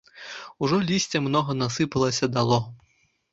Ужо лісця многа насыпалася дало.